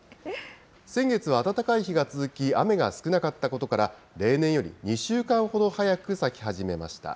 先月は暖かい日が続き、雨が少なかったことから、例年より２週間ほど早く咲き始めました。